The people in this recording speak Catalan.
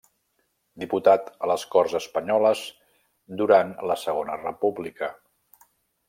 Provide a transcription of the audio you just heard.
Diputat a les Corts Espanyoles durant la Segona República.